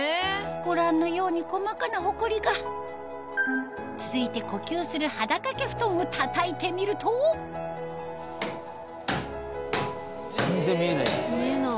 ご覧のように細かなほこりが続いて呼吸する肌掛けふとんをたたいてみると全然見えないじゃん。